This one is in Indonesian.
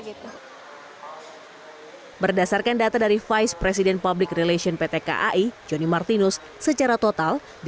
gitu berdasarkan data dari vice president public relation pt kai jonny martinus secara total